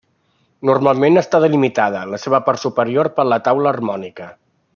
Normalment està delimitada, en la seva part superior per la taula harmònica.